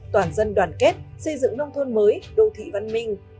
toàn dân đoàn kết xây dựng nông thôn mới đô thị văn minh